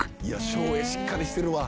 「照英しっかりしてるわ。